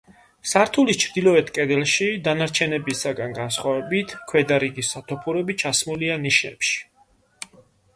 სართულის ჩრდილოეთ კედელში, დანარჩენებისგან განსხვავებით, ქვედა რიგის სათოფურები ჩასმულია ნიშებში.